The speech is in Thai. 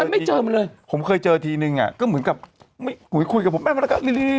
ฉันไม่เจอมันเลยผมเคยเจอทีหนึ่งอ่ะก็เหมือนกับไม่โหกลลามันแบบกล่อนิดนี้